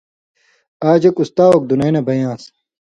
آژ اېک اُستا اوک دُنئ نہ بئ یان٘س